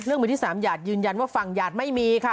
เรื่องมือที่สามหยาดยืนยันว่าฝั่งหยาดไม่มีค่ะ